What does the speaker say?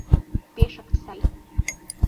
— Пешак сай.